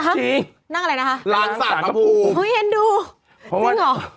จริงนั่งอะไรนะคะล้างสระกระพูเฮ้ยเห็นดูจริงหรอ